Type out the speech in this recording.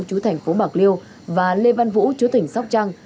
chú thành phố bạc liêu và lê văn vũ chú tỉnh sóc trăng